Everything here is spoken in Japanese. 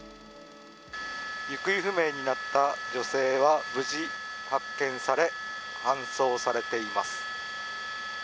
行方不明になった女性は無事発見され搬送されています。